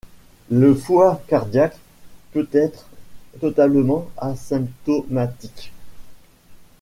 Le foie cardiaque peut être totalement asymptomatique.